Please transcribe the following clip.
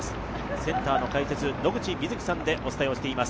センターの解説、野口みずきさんでお伝えしています。